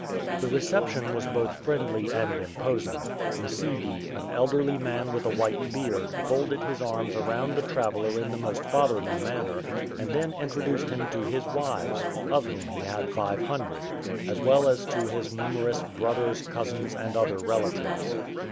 The reception was both friendly and imposing. Msidi, an elderly man with a white beard, folded his arms around the traveller in the most fatherly manner, and then intro duced him to his wives, of whom he had 500, as well as to his numerous brothers, cousins, and other relatives.